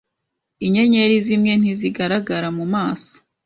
Inyenyeri zimwe ntizigaragara mumaso.